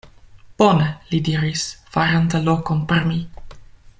Bone! li diris, farante lokon por mi.